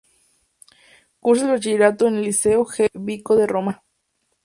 Cursa el Bachillerato en el Liceo G. B Vico de Roma.